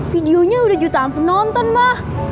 videonya udah jutaan penonton mah